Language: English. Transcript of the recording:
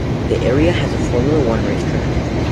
The area has a Formula One racetrack.